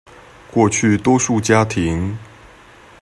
過去多數家庭